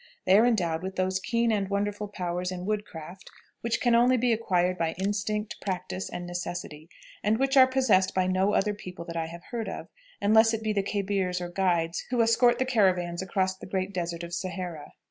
They are endowed with those keen and wonderful powers in woodcraft which can only be acquired by instinct, practice, and necessity, and which are possessed by no other people that I have heard of, unless it be the khebirs or guides who escort the caravans across the great desert of Sahara.